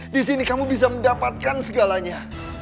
di sini kamu bisa mendapatkan segalanya